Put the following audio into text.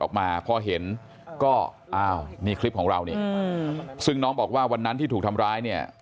ออกมาพอเห็นก็อ้าวนี่คลิปของเรานี่ซึ่งน้องบอกว่าวันนั้นที่ถูกทำร้ายเนี่ย